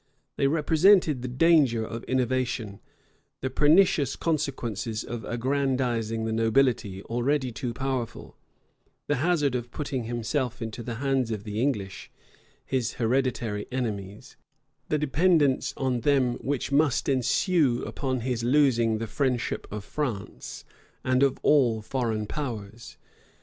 They represented the danger of innovation; the pernicious consequences of aggrandizing the nobility, already too powerful; the hazard of putting himself into the hands of the English, his hereditary enemies; the dependence on them which must ensue upon his losing the friendship of France, and of all foreign powers.